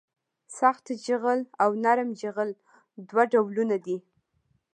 سخت جغل او نرم جغل دوه ډولونه دي